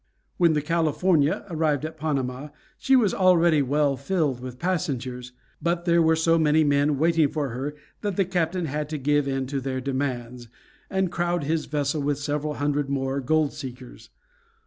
When the California arrived at Panama she was already well filled with passengers, but there were so many men waiting for her that the captain had to give in to their demands, and crowd his vessel with several hundred more gold seekers.